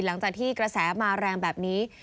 หลังจากที่กระแสมาแรงแบบนี้